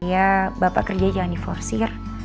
ya bapak kerja jangan diforsir